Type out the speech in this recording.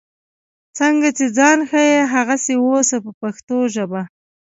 څنګه چې ځان ښیې هغسې اوسه په پښتو ژبه.